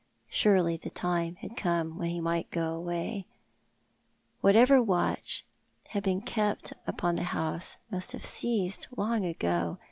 Surely the time had come when he might go away. Whatever watch had been kept 296 Thou art the Man. i;poii the house must have ceased long ago.